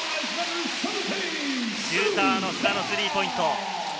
シューターの須田のスリーポイント。